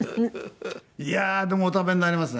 いやーでもお食べになりますね